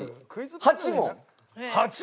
８問！？